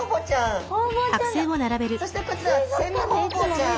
そしてこちらはセミホウボウちゃん。